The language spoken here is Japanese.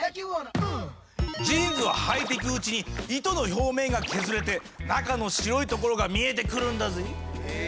ジーンズははいていくうちに糸の表面が削れて中の白いところが見えてくるんだぜぇ！